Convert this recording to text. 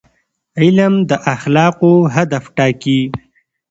علم د اخلاقو هدف ټاکي.